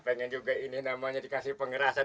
pengen juga ini namanya dikasih pengerasan